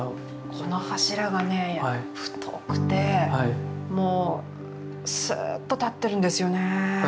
この柱がね太くてもうスーッと立ってるんですよね。